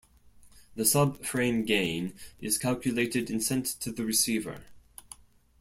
The sub frame gain is calculated and sent to the receiver.